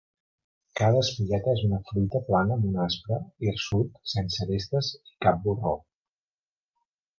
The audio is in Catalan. Cada espigueta és una fruita plana amb un aspre, hirsut sense arestes, i cap borró.